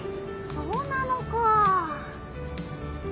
そうなのかあ。